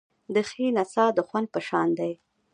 د ښې نڅا د خوند په شان دی.